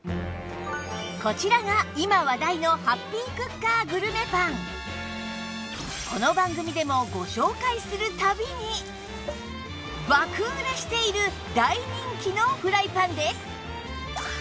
こちらが今話題のこの番組でもご紹介する度に爆売れしている大人気のフライパンです